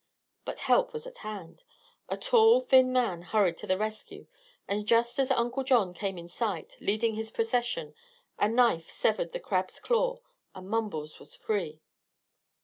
But help was at hand. A tall, thin man hurried to the rescue, and just as Uncle John came in sight, leading his procession, a knife severed the crab's claw and Mumbles was free.